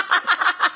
ハハハハ。